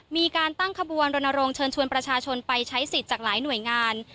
มีการตั้งขบวนรณรงค์เชิญชวนประชาชนไปใช้สิทธิ์จากหลายหน่วยงาน